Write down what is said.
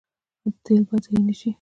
تیل باید ضایع نشي